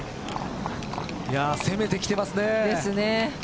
攻めてきてますね。